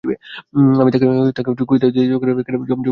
আমি তাকে খুঁজতে যেই দরজা খুলে বাইরে এলাম, ঝমঝমিয়ে বৃষ্টি নামল আমার গায়ে।